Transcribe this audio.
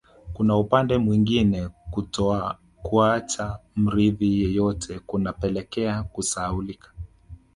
Kwa upande mwingine kutokuacha mrithi yeyote kunapelekea kusahaulika